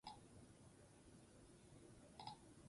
Berak nahiago du medikuak seguritatez hitz egitea.